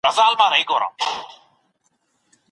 ښوونځی زدهکوونکي د اجتماعي مکلفیتونو لپاره چمتو کوي.